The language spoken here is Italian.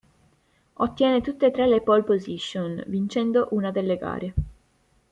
Ottiene tutte e tre le pole position, vincendo una delle gare.